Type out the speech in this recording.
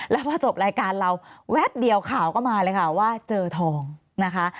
แล้วพอจบรายการเราแวบเดียวข่าวก็มาเลยค่ะว่าเจอทองนะคะ